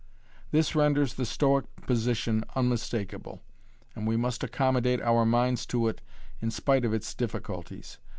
This renders the Stoic position unmistakable, and we must accomodate our minds to it in spite of its difficulties.